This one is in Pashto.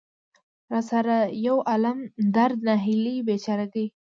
را سره يو عالم درد، ناهيلۍ ،بېچاره ګۍ.